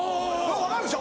分かるでしょ。